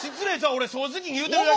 俺正直に言うてるだけや。